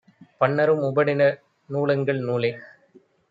பன்னரும் உபநிடநூ லெங்கள் நூலே